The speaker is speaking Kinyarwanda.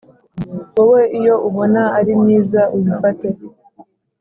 wowe iyo ubona ari myiza uyifate turaza